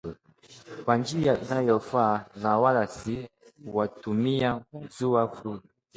kwa njia inayofaa na wala si kuwatumia kuzua vurugu